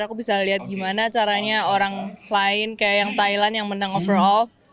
aku bisa lihat gimana caranya orang lain kayak yang thailand yang menang overall